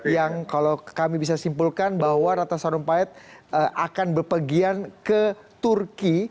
yang kalau kami bisa simpulkan bahwa ratna sarumpahit akan berpergian ke turki